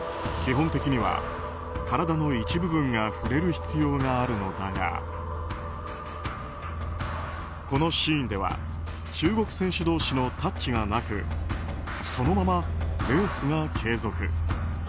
基本的には体の一部分が触れる必要があるのだがこのシーンでは中国選手同士のタッチがなくそのままレースが継続。